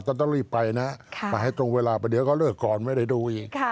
ต้องรีบไปนะไปให้ตรงเวลาไปเดี๋ยวเขาเลิกก่อนไม่ได้ดูอีก